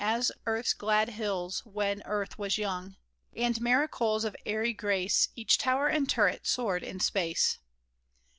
As earth's glad hills when earth was young ; And miracles of airy grace, Each tower and turret soared in space.